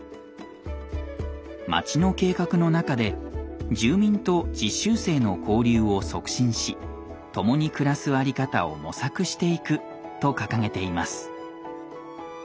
町の計画の中で住民と実習生の交流を促進し共に暮らす在り方を模索していくと掲げています。